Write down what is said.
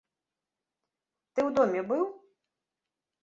Ты ў доме быў?